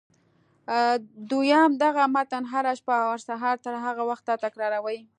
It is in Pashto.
دويم دغه متن هره شپه او هر سهار تر هغه وخته تکراروئ.